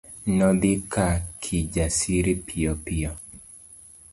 Nodhi ka Kijasiri piyopiyo.